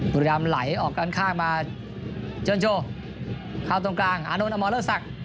บุรีรามไหลออกด้านข้างมาเชิญโชว์เข้าตรงกลางอานนท์อมรสัก